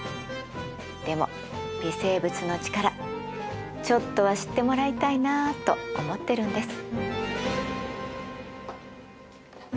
でも微生物の力ちょっとは知ってもらいたいなと思ってるんです。